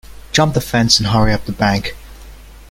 Jump the fence and hurry up the bank.